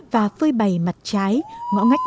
và phơi bày mặt trái ngõ ngách